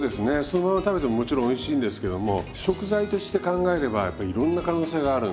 そのまま食べてももちろんおいしいんですけども食材として考えればやっぱりいろんな可能性があるんで。